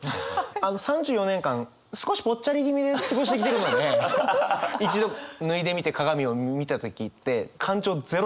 あの３４年間少しぽっちゃり気味で過ごしてきてるので一度脱いでみて鏡を見た時って感情ゼロでしたもんね。